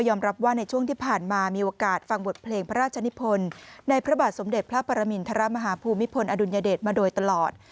รับว่าในช่วงที่ผ่านมามีโอกาสฟังบทเพลงพระราชนิพลในพระบาทสมเด็จพระปรมินทรมาฮภูมิพลอดุลยเดชมาโดยตลอด